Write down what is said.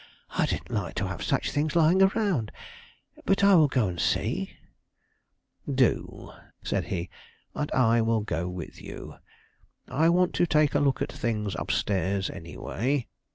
I didn't like to have such things lying around. But I will go see." "Do," said he; "and I will go with you. I want to take a look at things up stairs, any way."